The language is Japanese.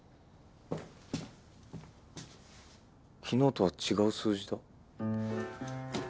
昨日とは違う数字だ。